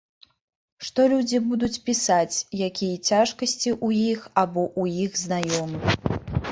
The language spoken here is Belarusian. Што людзі будуць пісаць, якія цяжкасці ў іх або ў іх знаёмых.